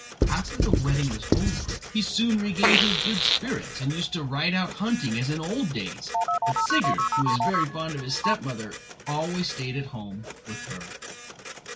After the wedding was over he soon regained his good spirits, and used to ride out hunting as in old days; but Sigurd, who was very fond of his stepmother, always stayed at home with her.